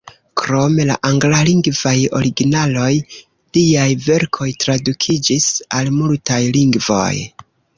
Krom la anglalingvaj originaloj, liaj verkoj tradukiĝis al multaj lingvoj.